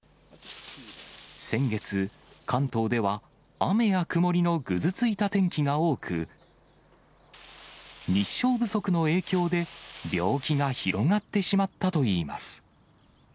先月、関東では雨や曇りのぐずついた天気が多く、日照不足の影響で、病気が広がってしまったといいます。